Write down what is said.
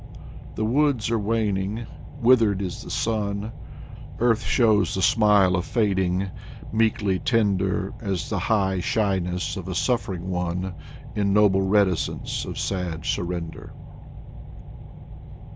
The woods are waning; withered is the sun; Earth shows the smile of fading, meekly tender As the high shyness of a suffering one, In noble reticence of sad surrender.